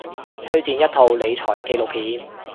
推薦一套理財紀錄片